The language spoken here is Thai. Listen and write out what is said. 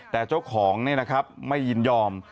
แต่เจ้าของนี่นะครับไม่ยินยอม